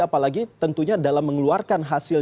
apalagi tentunya dalam mengeluarkan hasil